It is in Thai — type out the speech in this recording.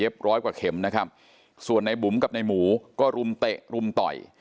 ร้อยกว่าเข็มนะครับส่วนในบุ๋มกับในหมูก็รุมเตะรุมต่อย